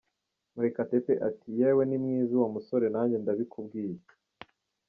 Murekatete ati " Yewe ni mwiza uwo musore nanjye ndabikubwiye.